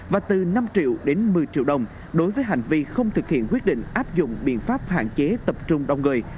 và từ năm triệu đến một mươi triệu đồng đối với hành vi không thực hiện quyết định áp dụng biện pháp hạn chế tập trung đông người